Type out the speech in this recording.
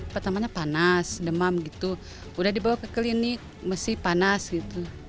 pertamanya panas demam gitu udah dibawa ke klinik mesti panas gitu